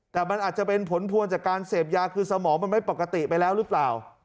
แต่มันอาจจะเป็นผลพวงจากการเสพยาคือสมองมันไม่ปกติไปแล้วหรือเปล่า